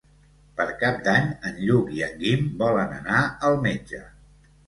Per Cap d'Any en Lluc i en Guim volen anar al metge.